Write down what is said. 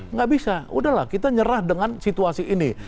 nggak bisa udahlah kita nyerah dengan situasi ini